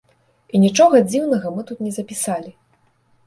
І нічога дзіўнага мы тут не запісалі.